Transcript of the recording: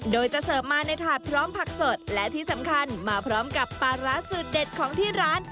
โดยจะเสิร์ฟมาในถาดพร้อมผักสดและที่สำคัญมาพร้อมกับปลาร้าสูตรเด็ดของที่ร้าน